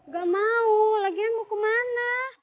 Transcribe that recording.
gak mau lagian mau kemana